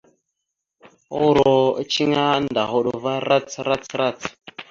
Uuro eceŋé annda a hoɗ va rac rac rac.